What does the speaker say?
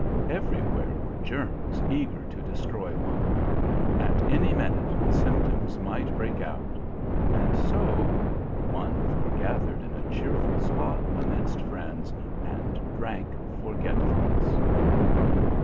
Everywhere were germs eager to destroy one. At any minute the symptoms might break out. And so one foregathered in a cheerful spot amidst friends, and drank forgetfulness.